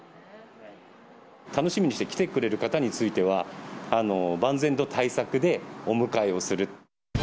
楽しみにして来てくれる方については、万全の対策でお迎えをする。